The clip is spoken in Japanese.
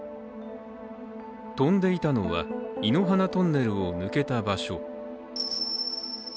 飛んでいたのは、湯の花トンネルを抜けた場所。